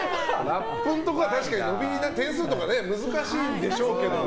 ラップのところは確かに点数とか難しいんでしょうけど。